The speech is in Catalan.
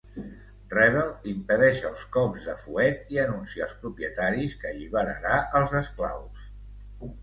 Rebel, impedeix els cops de fuet i anuncia als propietaris que alliberarà els esclaus.